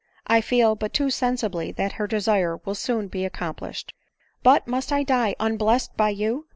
I feel but too sensibly that her desire will soon be accom plished. "But must I die unblest by you